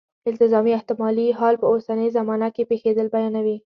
التزامي یا احتمالي حال په اوسنۍ زمانه کې پېښېدل بیانوي.